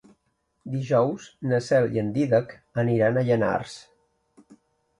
Dijous na Cel i en Dídac aniran a Llanars.